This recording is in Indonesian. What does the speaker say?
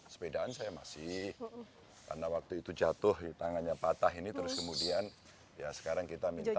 sepedaan saya masih karena waktu itu jatuh tangannya patah ini terus kemudian ya sekarang kita minta